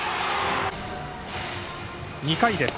２回です。